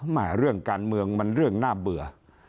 เรื่องการเมืองมันเรื่องน่าเบื่อ